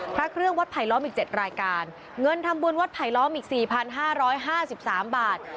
พระเครื่องวัดไผลล่อมอีกเจ็ดรายการเงินทำบ้วนวัดไผลล่อมอีกสี่พันห้าร้อยห้าสิบสามบาท